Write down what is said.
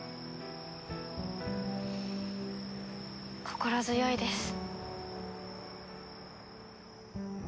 心強いです。